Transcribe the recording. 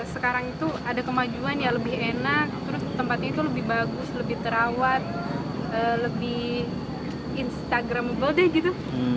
sekarang itu ada kemajuan ya lebih enak terus tempatnya itu lebih bagus lebih terawat lebih instagramable deh gitu